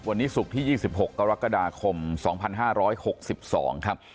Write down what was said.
วันนี้ศุกร์ที่๒๖กรกฎาคม๒๕๖๒ครับ